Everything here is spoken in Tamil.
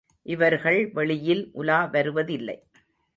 இவர்கள் வெளியில் உலா வருவதில்லை.